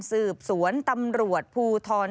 สืบสวนตำรวจภูทร